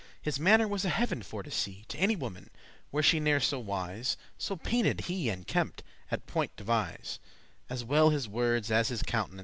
His manner was a heaven for to see To any woman, were she ne'er so wise; So painted he and kempt,* *at point devise,* *combed, studied As well his wordes as his countenance.